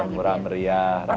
murah meriah gitu ya